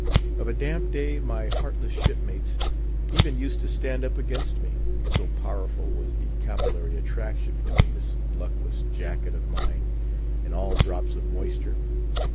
Of a damp day, my heartless shipmates even used to stand up against me, so powerful was the capillary attraction between this luckless jacket of mine and all drops of moisture.